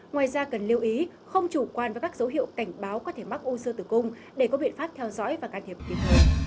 ngoài ra cần lưu ý không chủ quan với các dấu hiệu cảnh báo có thể mắc u sơ tử cung để có biện pháp theo dõi và can thiệp kịp thời